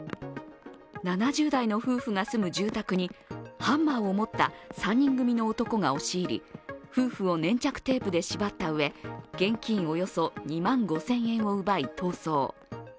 ７０代の夫婦が住む住宅にハンマーを持った３人組の男が押し入り夫婦を粘着テープで縛ったうえ、現金およそ２万５０００円を奪い逃走。